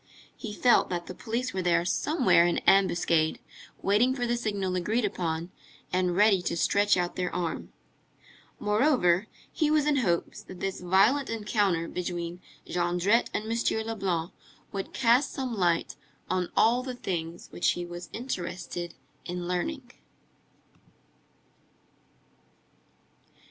He felt that the police were there somewhere in ambuscade, waiting for the signal agreed upon and ready to stretch out their arm. Moreover, he was in hopes, that this violent encounter between Jondrette and M. Leblanc would cast some light on all the things which he was interested in learning.